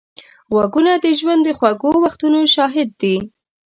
غوږونه د ژوند د خوږو وختونو شاهد دي